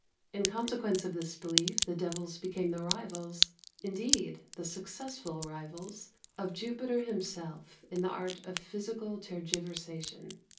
In consequence of this belief the devils became the rivals, indeed the successful rivals, of Jupiter himself in the art of physical tergiversation.